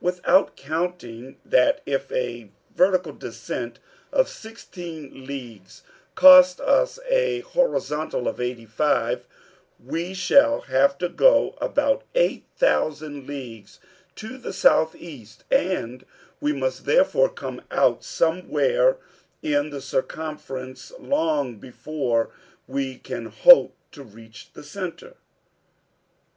"Without counting that if a vertical descent of sixteen leagues costs us a horizontal of eighty five, we shall have to go about eight thousand leagues to the southeast, and we must therefore come out somewhere in the circumference long before we can hope to reach the centre."